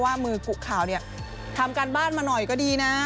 ว่ามือกุข่าวเนี่ยทำการบ้านมาหน่อยก็ดีนะ